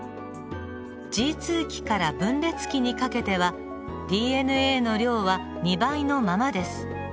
Ｇ期から分裂期にかけてはＤＮＡの量は２倍のままです。